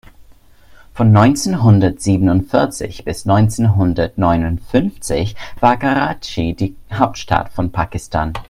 Von neunzehnhundertsiebenundvierzig bis neunzehnhundertneunundfünfzig war Karatschi die Hauptstadt von Pakistan.